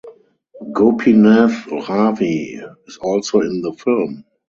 Gopinath Ravi is also in the film.